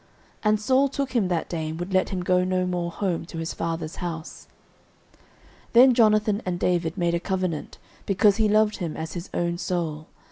09:018:002 And Saul took him that day, and would let him go no more home to his father's house. 09:018:003 Then Jonathan and David made a covenant, because he loved him as his own soul.